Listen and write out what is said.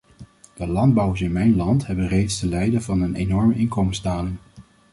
De landbouwers in mijn land hebben reeds te lijden van een enorme inkomensdaling.